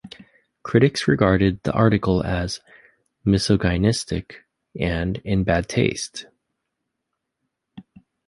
Critics regarded the article as misogynistic and in bad taste.